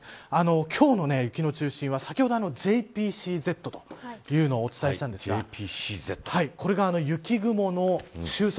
今日の雪の中心は先ほどＪＰＣＺというのをお伝えしたんですがこれが雪雲の収束